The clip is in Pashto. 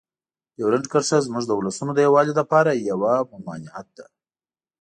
ډیورنډ کرښه زموږ د ولسونو د یووالي لپاره یوه ممانعت ده.